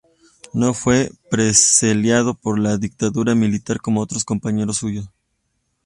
No fue represaliado por la dictadura militar como otros compañeros suyos.